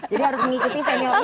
jadi harus mengikuti seniornya